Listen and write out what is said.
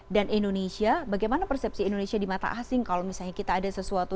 dan indonesia bagaimana persepsi indonesia di mata asing kalau misalnya kita ada sesuatu